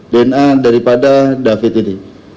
dna daripada david ini